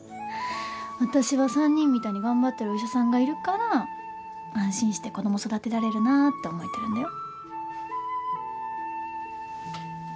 私は３人みたいに頑張ってるお医者さんがいるから安心して子供育てられるなって思えてるんだよ。